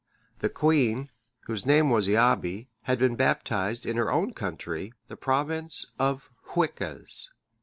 The queen, whose name was Eabae, had been baptized in her own country, the province of the Hwiccas.